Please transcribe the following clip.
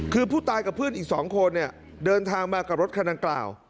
คือผู้ตายกับเพื่อนอีก๒คนเนี่ยเดินทางมากับรถคันดังกล่าว